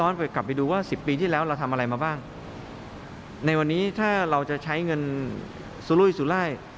ในวันนี้ถ้าเราจะใช้เงินสุรุยสุร่าย